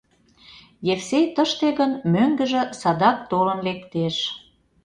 Евсей тыште гын, мӧҥгыжӧ садак толын лектеш.